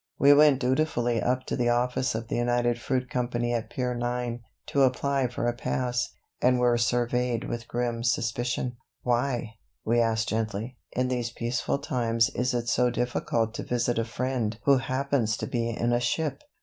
We went dutifully up to the office of the United Fruit Company at Pier 9, to apply for a pass, and were surveyed with grim suspicion. Why, we asked gently, in these peaceful times is it so difficult to visit a friend who happens to be in a ship?